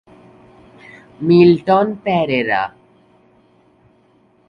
Milton Perera.